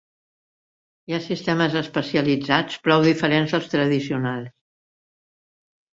Hi ha sistemes especialitzats prou diferents dels tradicionals.